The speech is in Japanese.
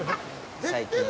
最近。